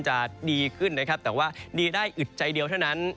จะดีขึ้นนะครับแต่ว่าดีได้อึดใจเดียวเท่านั้น